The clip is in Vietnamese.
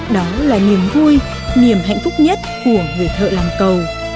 đó là niềm vui niềm hạnh phúc nhất của người thợ làm cầu